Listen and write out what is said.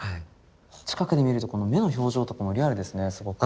近くで見ると目の表情とかもリアルですねすごく。